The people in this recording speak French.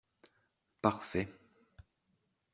Parfait.